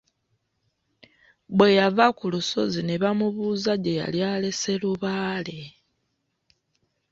Bwe yava ku lusozi ne bamubuuza gye yali alese Lubaale.